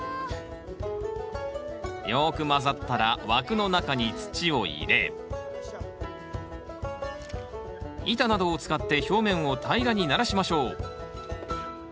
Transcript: よく混ざったら枠の中に土を入れ板などを使って表面を平らにならしましょう